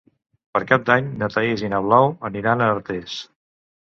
Per Cap d'Any na Thaís i na Blau aniran a Artés.